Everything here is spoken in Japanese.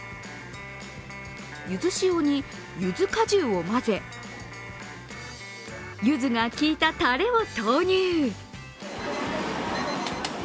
ゆず塩にゆず果汁を混ぜ、ゆずが効いたたれを投入。